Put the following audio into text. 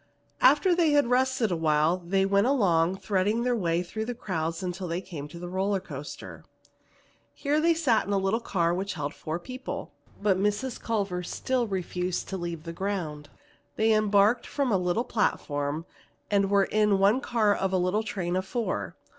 After they had rested awhile they went along, threading their way through the crowds until they came to the roller coaster. Here they sat in a little car which held four people, but Mrs. Culver still refused to leave the ground. They embarked from a little platform, and were in one car of a little train of four.